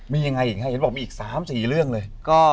มียังไงอีก๓๔เรื่องเลย